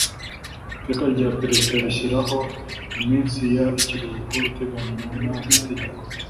iteka rya perezida rishyiraho iminsi y ikiruhuko iteganywa n amategeko